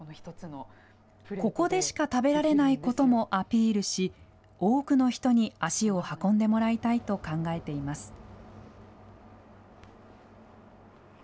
ここでしか食べられないこともアピールし、多くの人に足を運んでもらいたいと考えています。